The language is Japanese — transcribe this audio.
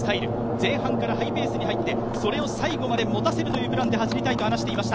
前半からハイペースに入ってそれを最後までもたせるプランで走りたいと話していました。